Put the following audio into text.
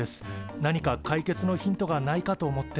なにか解決のヒントがないかと思って。